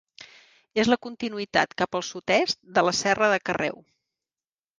És la continuïtat cap al sud-est de la Serra de Carreu.